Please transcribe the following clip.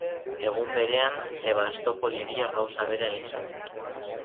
Egun berean, Sebastopol hiria gauza bera egin zuen.